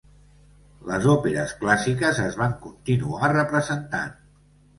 Les òperes clàssiques es van continuar representant.